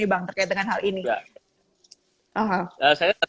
bang terkait dengan hal ini